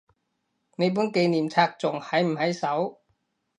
你本紀念冊仲喺唔喺手？